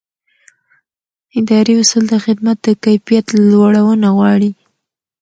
اداري اصول د خدمت د کیفیت لوړونه غواړي.